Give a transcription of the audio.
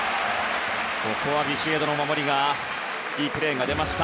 ここはビシエドのいいプレーが出ました。